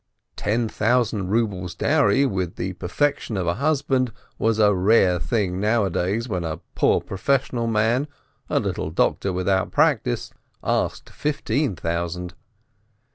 Ten thousand rubles dowry with the perfection of a husband was a rare thing nowadays, when a poor professional man, a little doctor without practice, asked fifteen thousand.